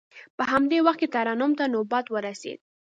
په همدې وخت کې ترنم ته نوبت ورسید.